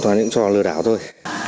toàn những trò lừa đảo thôi